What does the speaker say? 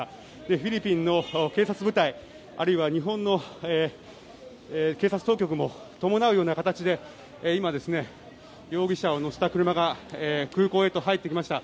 フィリピンの警察部隊あるいは日本の警察当局も伴うような形で今、容疑者を乗せた車が空港へと入ってきました。